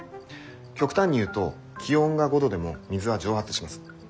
極端に言うと気温が５度でも水は蒸発します。